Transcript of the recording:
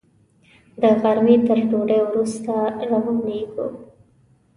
د غرمې تر ډوډۍ وروسته روانېږو.